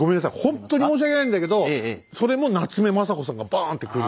ほんとに申し訳ないんだけどそれも夏目雅子さんがバーンってくる。